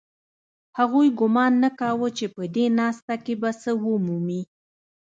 هغوی ګومان نه کاوه چې په دې ناسته کې به څه ومومي